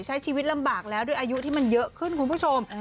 ใช้ชีวิตลำบากแล้วด้วยอายุที่มันเยอะขึ้นคุณผู้ชม